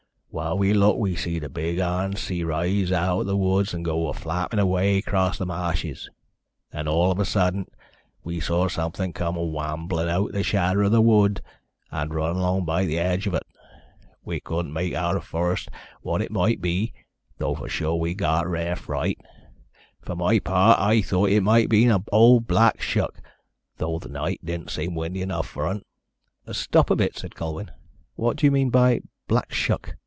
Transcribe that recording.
While we looked we seed a big harnsee rise out o' th' woods and go a flappin' away across th' ma'shes. Then all of a suddint we saw somefin' come a wamblin' outer the shadder o' the wood, and run along by th' edge of ut. We couldn't make out a' furst what it moight be, thow for sure we got a rare fright. For my part, I thowt it might a' been ole Black Shuck, thow th' night didn't seem windy enough for un." "Stop a bit," said Colwyn. "What do you mean by Black Shuck?